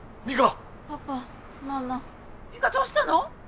美香どうしたの？